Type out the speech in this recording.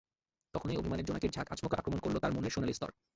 তখনই অভিমানের জোনাকির ঝাঁক আচমকা আক্রমণ করল তার মনের সোনালি স্তর।